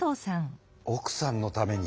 おくさんのために。